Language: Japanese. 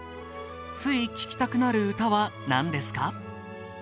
つい聴きたくなる歌は何ですか？